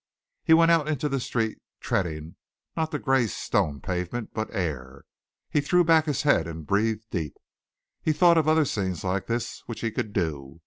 He went out into the street treading not the grey stone pavement but air. He threw back his head and breathed deep. He thought of other scenes like this which he could do.